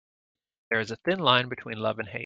There is a thin line between love and hate.